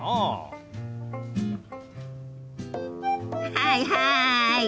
はいはい！